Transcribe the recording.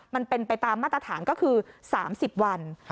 มันเป็นไปตามมาตรฐานก็คือ๓๐วัน